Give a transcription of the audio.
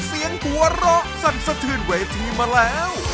เสียงหัวเราะสั่นสะเทือนเวทีมาแล้ว